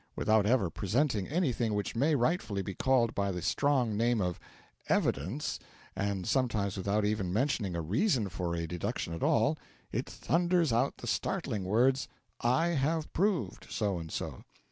Without ever presenting anything which may rightfully be called by the strong name of Evidence, and sometimes without even mentioning a reason for a deduction at all, it thunders out the startling words, 'I have Proved' so and so!